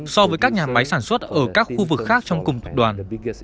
so với các nhà máy sản xuất ở các khu vực khác trong cùng tập đoàn